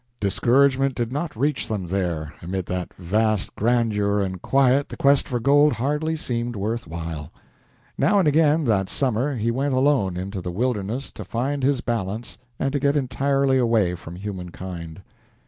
Discouragement did not reach them there amid that vast grandeur and quiet the quest for gold hardly seemed worth while. Now and again that summer he went alone into the wilderness to find his balance and to get entirely away from humankind.